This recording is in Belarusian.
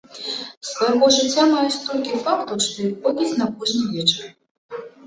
З свайго жыцця мае столькі фактаў, што іх хопіць на кожны вечар.